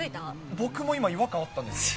僕も今、違和感あったんです。